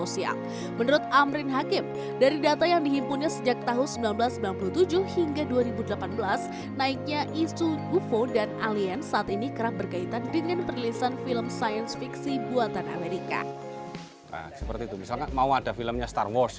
seperti itu misalkan mau ada filmnya star wars